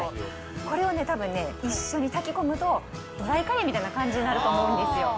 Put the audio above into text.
これをたぶんね、一緒に炊き込むと、ドライカレーみたいな感じになると思うんですよ。